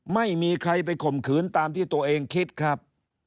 ไม่มีใครไปข่มขืนตามที่ตัวเองคิดครับ